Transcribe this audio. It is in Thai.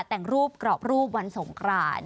แต่งรูปกรอบรูปวันสงคราน